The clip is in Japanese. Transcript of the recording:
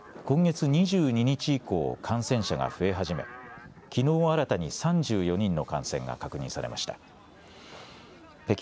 一方、首都北京では今月２２日以降、感染者が増え始めきのう新たに３４人の感染が確認されました。